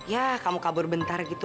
ya kamu kabur bentar gitu